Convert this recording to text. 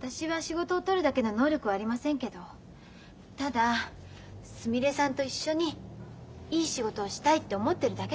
私は仕事を取るだけの能力はありませんけどただすみれさんと一緒にいい仕事をしたいと思ってるだけです。